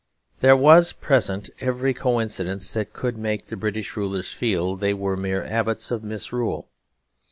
There was present every coincidence that could make the British rulers feel they were mere abbots of misrule.